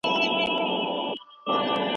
که کار په پوره دقت وسي نو نتیجه یې ښه وي.